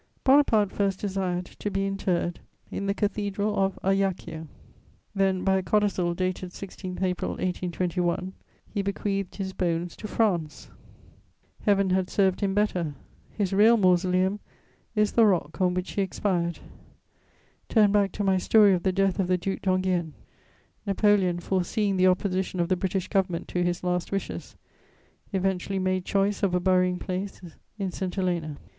* Bonaparte first desired to be interred in the Cathedral of Ajaccio; then, by a codicil dated 16 April 1821, he bequeathed his bones to France: Heaven had served him better; his real mausoleum is the rock on which he expired: turn back to my story of the death of the Duc d'Enghien. Napoleon, foreseeing the opposition of the British Government to his last wishes, eventually made choice of a burying place in St. Helena.